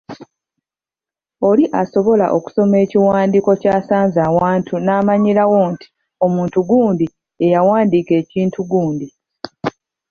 Oli asobola okusoma ekiwandiiko ky’asanze awantu n’amanyirawo nti omuntu gundi ye yawandiika ekintu gundi.